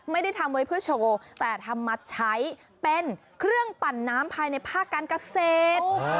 ไม่ได้ทำไว้เพื่อโชว์แต่ทำมาใช้เป็นเครื่องปั่นน้ำภายในภาคการเกษตร